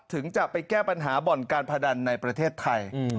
ถึงจะไปแก้ปัญหาบ่อนการพนันในประเทศไทย